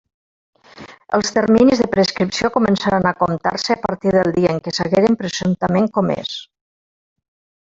Els terminis de prescripció començaran a comptar-se a partir del dia en què s'hagueren presumptament comés.